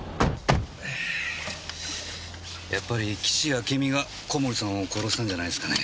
やっぱり岸あけみが小森さんを殺したんじゃないですかね？